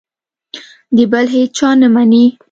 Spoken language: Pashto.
د بل هېچا نه مني.